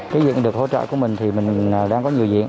cái việc được hỗ trợ của mình thì mình đang có nhiều việc